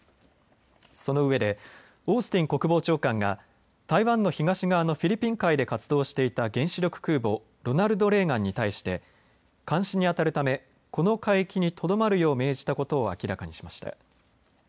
そのうえでオースティン国防長官が台湾の東側のフィリピン海で活動していた原子力空母、ロナルド・レーガンに対して監視にあたるためこの海域にとどまるよう命じたことを明らかにしました。